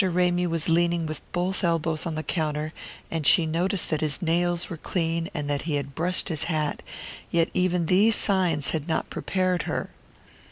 Ramy was leaning with both elbows on the counter, and she noticed that his nails were clean and that he had brushed his hat; yet even these signs had not prepared her!